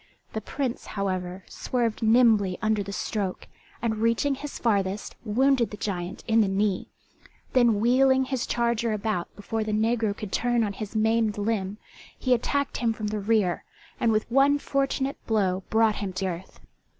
The Prince, however, swerved nimbly under the stroke, and reaching his farthest, wounded the giant in the knee; then wheeling his charger about before the negro could turn on his maimed limb he attacked him from the rear, and with one fortunate blow brought him to earth.